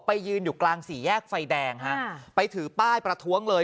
ยืนอยู่กลางสี่แยกไฟแดงฮะไปถือป้ายประท้วงเลย